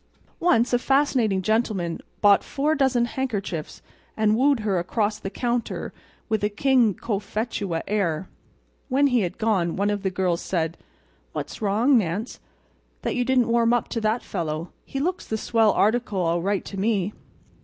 Once a fascinating gentleman bought four dozen handkerchiefs, and wooed her across the counter with a King Cophetua air. When he had gone one of the girls said: "What's wrong, Nance, that you didn't warm up to that fellow. He looks the swell article, all right, to me."